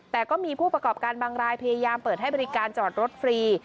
แต่ก็มีผู้ประกอบการบางรายพยายามเปิดให้บริการจอดรถฟรี